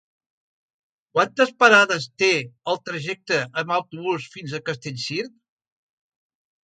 Quantes parades té el trajecte en autobús fins a Castellcir?